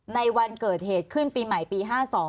ในวันเกิดเหตุขึ้นปีใหม่ปี๕๒